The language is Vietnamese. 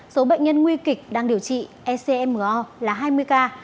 số bệnh nhân nặng đang điều trị ecmo là hai mươi ca